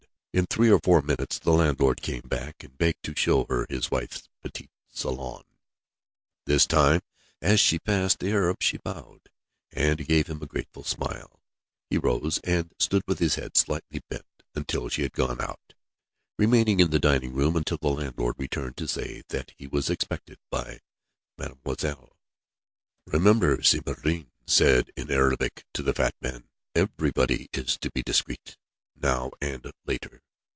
In three or four minutes the landlord came back, and begged to show her his wife's petit salon. This time as she passed the Arab she bowed, and gave him a grateful smile. He rose, and stood with his head slightly bent until she had gone out, remaining in the dining room until the landlord returned to say that he was expected by Mademoiselle. "Remember," Si Maïeddine said in Arabic to the fat man, "everybody is to be discreet, now and later.